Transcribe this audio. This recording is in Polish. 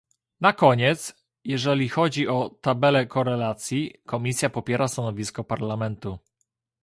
Na koniec, jeżeli chodzi o tabele korelacji, Komisja popiera stanowisko Parlamentu